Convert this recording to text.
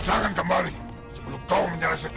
jangan kembali sebelum kau menyelesaikan